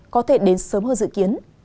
có thể đến sớm hơn dự kiến